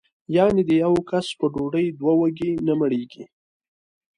یعنې د یوه کس په ډوډۍ دوه وږي نه مړېږي.